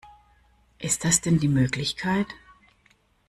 Ist das denn die Möglichkeit?